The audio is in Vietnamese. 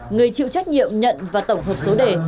người chịu trách nhiệm nhận và tổng hợp số đề